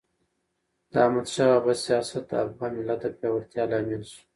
د احمد شاه بابا سیاست د افغان ملت د پیاوړتیا لامل سو.